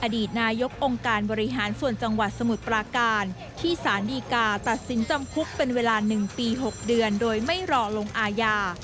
อดีตนายกองค์การบริหารส่วนจังหวัดสมุทรปราการที่สารดีกาตัดสินจำคุกเป็นเวลา๑ปี๖เดือนโดยไม่รอลงอาญา